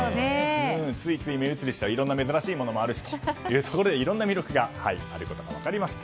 ついつい目移りしてしまういろいろな珍しいものもあるしということでいろんな魅力があるということが分かりました。